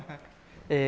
え